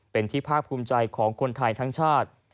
เป็นที่ภาคภูมิใจของคนไทยทั้งชาติ